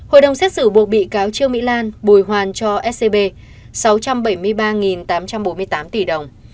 hội đồng xét xử buộc bị cáo trương mỹ lan bồi hoàn cho scb sáu trăm bảy mươi ba tám trăm bốn mươi tám tỷ đồng